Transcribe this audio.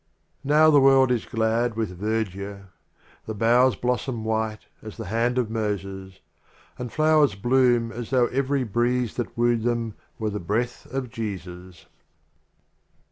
IV. Now the world is glad with ver dure; The Boughs blossom white as the Hand of Moses, And Flowers bloom as though every Breeze that wooed them Were the Breath of Jesus.